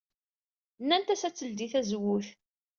Nnant-as ad teldey tazewwut.